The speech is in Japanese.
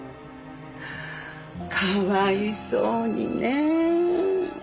かわいそうにねえ。